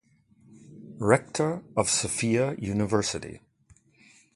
Rector of Sofia University.